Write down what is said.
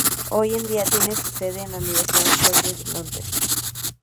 Hoy en día tiene su sede en la University College de Londres.